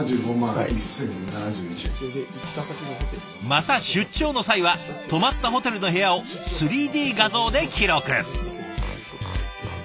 また出張の際は泊まったホテルの部屋を３Ｄ画像で記録。